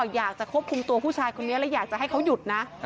อยากจะควบคุมตัวผู้ชายคนนี้และอยากจะให้เขาหยุดนะ